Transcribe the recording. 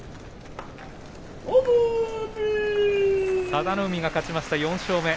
佐田の海が勝ちました、４勝目。